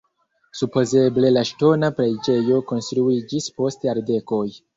Supozeble la ŝtona preĝejo konstruiĝis post jardekoj.